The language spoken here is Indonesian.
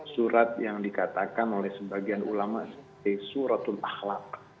surat yang dikatakan oleh sebagian ulama' seperti suratun akhlak